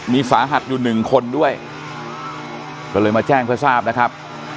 มีสาหัสอยู่หนึ่งคนด้วยก็เลยมาแจ้งเพื่อทราบนะครับ